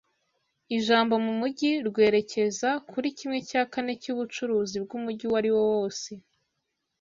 Ijambo mumujyi rwerekeza kuri kimwe cya kane cyubucuruzi bwumujyi uwo ariwo wose.